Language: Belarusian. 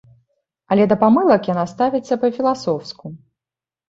Але да памылак яна ставіцца па-філасофску.